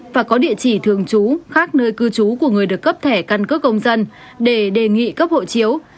và có địa chỉ thường trú khác nơi cư trú của người được cấp thẻ căn cước công dân để đề nghị cấp hộ chiếu